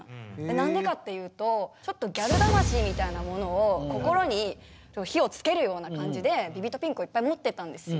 何でかっていうとちょっとギャル魂みたいなものを心に火をつけるような感じでビビッドピンクをいっぱい持ってたんですよ。